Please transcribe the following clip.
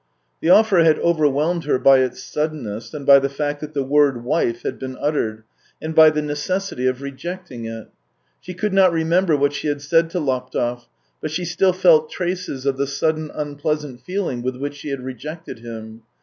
... The offer had overwhelmed her by its suddenness and by the fact that the word wife had been uttered, and by the necessity of rejecting it. She could not remember what she had said to Laptev, but she still felt traces of the sudden, unpleasant feeling with which she had rejected him.